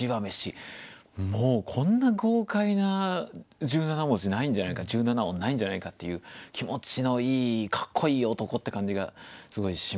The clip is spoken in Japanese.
もうこんな豪快な１７文字ないんじゃないか１７音ないんじゃないかっていう気持ちのいいかっこいい男って感じがすごいしますね。